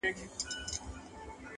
بې سپرلیه بې بارانه ګلان شنه کړي.